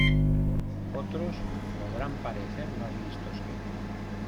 Otros podrán parecer más listos que yo